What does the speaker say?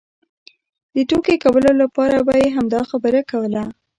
د ټوکې کولو لپاره به یې همدا خبره کوله.